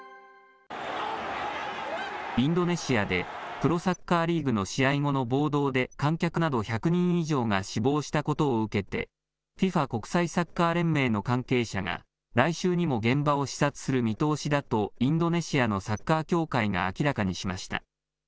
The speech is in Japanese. インドネシアでプロサッカーリーグの試合後の暴動で、観客など１００人以上が死亡したことを受けて、ＦＩＦＡ・国際サッカー連盟の関係者が、来週にも現場を視察する見通しだと、インドネシアのサッカー協会が明らかにしました。